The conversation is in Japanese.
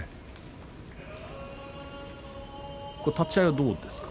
立ち合いはどうですか？